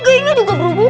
bangun bangun bangun